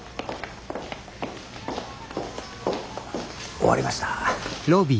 終わりました。